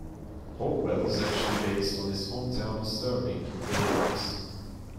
Hopewell is actually based on his hometown of Sterling, Illinois.